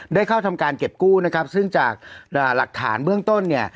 ได้เข้าทำการเก็บกู้นะครับซึ่งจากหลักฐานเบื้องต้นเนี่ย